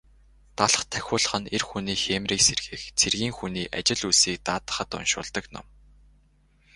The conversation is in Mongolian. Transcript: Далха тахиулах нь эр хүний хийморийг сэргээх, цэргийн хүний ажил үйлсийг даатгахад уншуулдаг ном.